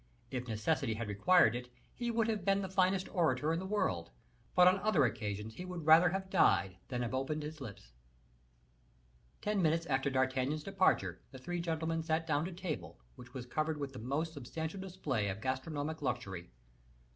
If necessity had required it, he would have been the finest orator in the world, but on other occasions he would rather have died than have opened his lips. Ten minutes after D'Artagnan's departure, the three gentlemen sat down to table, which was covered with the most substantial display of gastronomic luxury.